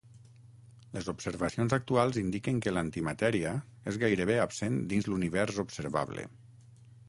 Les observacions actuals indiquen que l'antimatèria és gairebé absent dins l'univers observable.